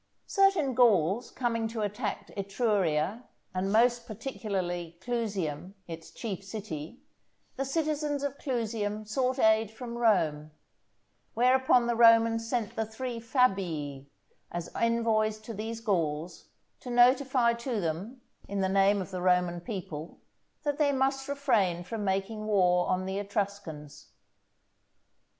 Certain Gauls coming to attack Etruria, and more particularly Clusium its chief city, the citizens of Clusium sought aid from Rome; whereupon the Romans sent the three Fabii, as envoys to these Gauls, to notify to them, in the name of the Roman people, that they must refrain from making war on the Etruscans.